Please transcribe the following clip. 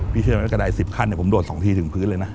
เชื่อไหมกระดาย๑๐ขั้นผมโดด๒ทีถึงพื้นเลยนะ